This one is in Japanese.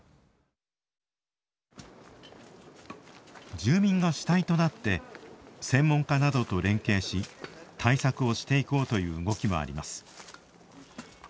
住民が主体となって専門家などと連携し対策をしていこうという動きもあります。